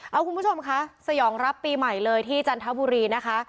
เอาคุณผู้ชมคะสยองรับปีใหม่เลยที่จันทบุรีนะคะ